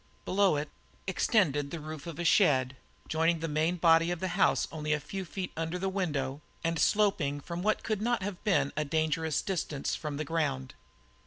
Below it extended the roof of a shed, joining the main body of the house only a few feet under his window and sloping to what could not have been a dangerous distance from the ground.